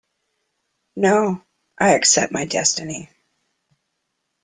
No, I accept my destiny.